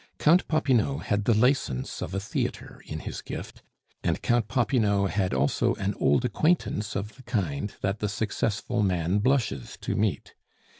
Count Popinot had the license of a theatre in his gift, and Count Popinot had also an old acquaintance of the kind that the successful man blushes to meet.